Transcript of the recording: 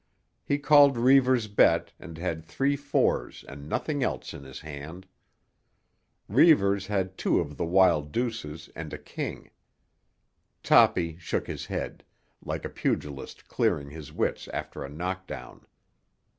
He called Reivers' bet and had three fours and nothing else in his hand. Reivers had two of the wild deuces and a king. Toppy shook his head, like a pugilist clearing his wits after a knockdown.